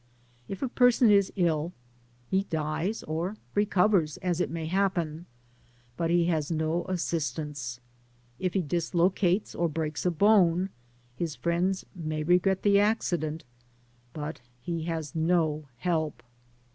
If a person is ill, he dies or recovers as it may happ^i, but he has no assistance* If he dislocates or breaks a bone, his friends may regret the accident, but he has no help.